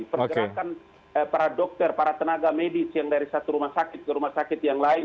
pergerakan para dokter para tenaga medis yang dari satu rumah sakit ke rumah sakit yang lain